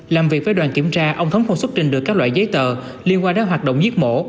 làm việc với đoàn kiểm tra ông thống không xuất trình được các loại giấy tờ liên quan đến hoạt động giết mổ